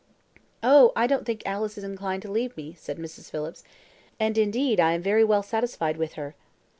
"Oh, I don't think Alice is inclined to leave me," said Mrs. Phillips; "and, indeed, I am very well satisfied with her."